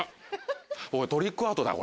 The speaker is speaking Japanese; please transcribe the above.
トリックアートだ